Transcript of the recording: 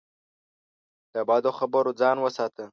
له بدو خبرو ځان وساته.